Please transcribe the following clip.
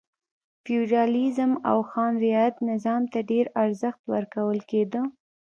فیوډالېزم او خان رعیت نظام ته ډېر ارزښت ورکول کېده.